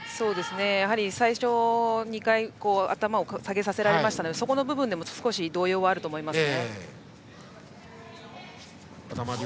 やはり最初２回頭を下げさせられたのでそこの部分でも少し動揺はあると思います。